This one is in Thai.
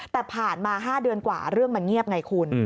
แต่ผ่านมา๕เดือนกว่าเรื่องมันเงียบไงคุณ